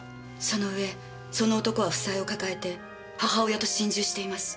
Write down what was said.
その上その男は負債を抱えて母親と心中しています。